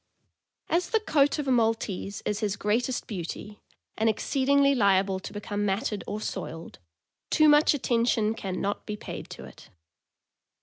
As the coat of a Maltese is his greatest beauty, and exceedingly liable to become matted or soiled, too much attention can not be paid to it.